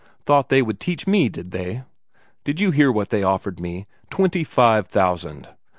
Thought they would teach me, did they? Did you hear what they offered me? Twenty five thousand!"